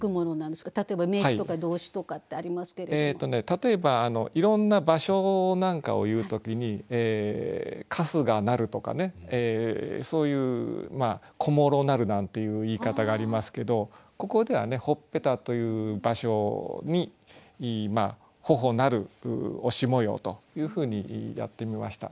例えばいろんな場所なんかを言う時に「春日なる」とかねそういう「小諸なる」なんていう言い方がありますけどここではねほっぺたという場所にまあ頬なる押し模様というふうにやってみました。